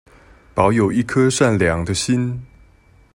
保有一顆善良的心